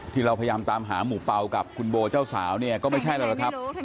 ที่เราพยายามตามหาหมู่เป่ากับคุณโบเจ้าสาวเนี่ยก็ไม่ใช่แล้วล่ะครับ